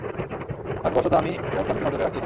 ভাগ্যবশত, আমি ওরসনকে নজরে রাখছিলাম।